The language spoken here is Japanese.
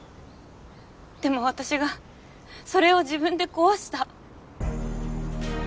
でも私がそれを自分で壊した。